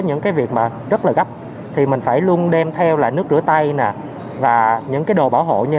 những cái việc mà rất là gấp thì mình phải luôn đem theo là nước rửa tay nạ và những cái đồ bảo hộ như